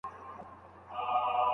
چا په میاشت او چا په کال دعوه ګټله